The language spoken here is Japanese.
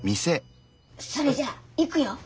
それじゃいくよ？